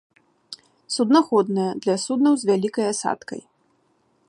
Суднаходная для суднаў з вялікай асадкай.